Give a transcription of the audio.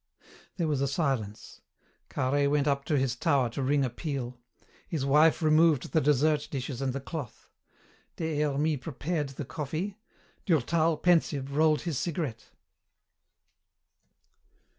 There was a silence. Carhaix went up to his tower to ring a peal. His wife removed the dessert dishes and the cloth. Des Hermies prepared the coffee. Durtal, pensive, rolled his cigarette.